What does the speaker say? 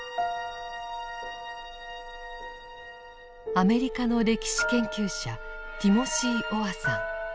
アメリカの歴史研究者ティモシー・オアさん。